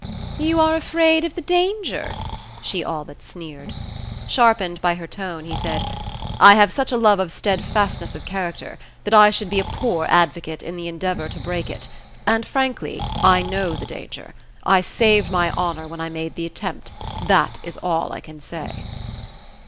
"You are afraid of the danger?" she all but sneered. Sharpened by her tone, he said, "I have such a love of stedfastness of character, that I should be a poor advocate in the endeavour to break it. And frankly, I know the danger. I saved my honour when I made the attempt: that is all I can say."